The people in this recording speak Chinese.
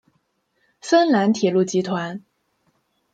芬兰铁路集团。